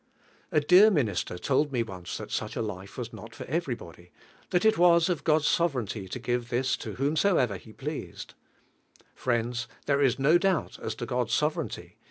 A dear minister told" me once that sueh a life was not for everybody, that it was of God's sovereignty to give this to whomsoever lie pleased, Priends, there is no doubt as to God's sovereignty.